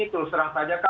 tulus terang saja